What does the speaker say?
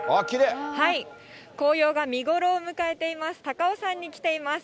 紅葉が見頃を迎えています。